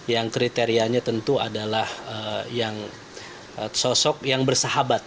yang kriterianya tentu adalah sosok yang bersahabat